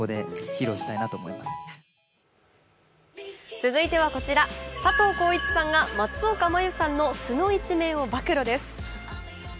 続いてはこちら、佐藤浩市さんが松岡茉優さんの素の一面を暴露です。